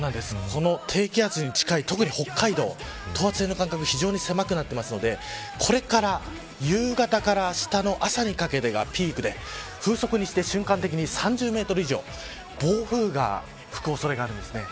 この低気圧に近い、特に北海道等圧線の間隔が非常に狭くなっていますのでこれから夕方からあしたの朝にかけてがピークで風速として瞬間的に３０メートル以上暴風が吹く恐れがあります。